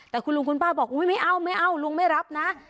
แต่คุณลุงคุณป้าบอกอุ๊ยไม่เอาไม่เอาลุงไม่รับนะ